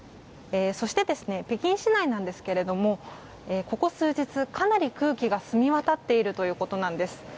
そして、北京市内なんですがここ数日かなり空気が澄みわたっているということなんです。